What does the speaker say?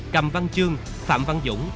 cầm văn chương phạm văn dũng